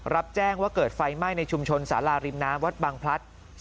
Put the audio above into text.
รับแจ้งว่าเกิดไฟไหม้ในชุมชนสาราริมน้ำวัดบางพลัด